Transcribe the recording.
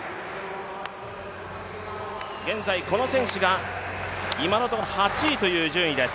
現在、この選手が今のところ８位ということです。